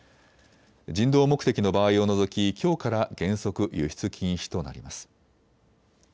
人道目的の場合を除き、きょうから原則、輸出禁止となります。